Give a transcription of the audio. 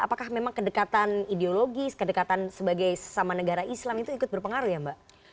apakah memang kedekatan ideologis kedekatan sebagai sesama negara islam itu ikut berpengaruh ya mbak